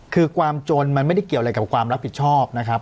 คือความจนมันไม่ได้เกี่ยวอะไรกับความรับผิดชอบนะครับ